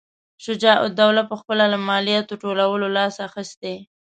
شجاع الدوله پخپله له مالیاتو ټولولو لاس اخیستی.